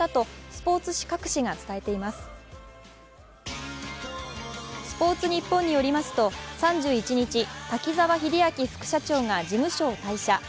「スポーツニッポン」によりますと、３１日、滝沢秀明副社長が事務所を退社。